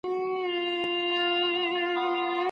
هر حالت ته په مثبت نظر وګورئ.